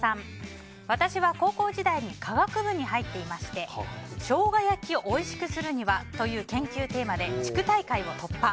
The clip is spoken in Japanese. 科学部に入っていましてショウガ焼きをおいしくするにはという研究テーマで地区大会を突破。